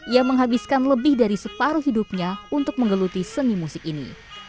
ia menghabiskan lebih dari separuh hidupnya untuk menggeluti seni musik ini